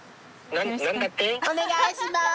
お願いします。